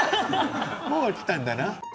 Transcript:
もう来たんだな。